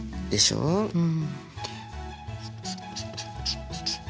うん。